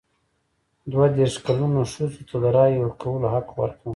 دوه دیرش کلنو ښځو ته د رایې ورکولو حق ورکړ.